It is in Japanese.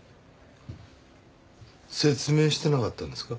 説明してなかったんですか？